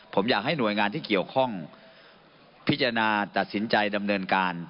ผมอยากให้หน่วยงานที่เกี่ยวข้องพิจารณาตัดสินใจดำเนินการ